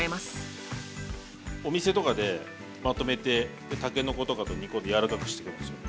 お店とかでまとめてたけのことかと煮込んで柔らかくしてくるんですよ。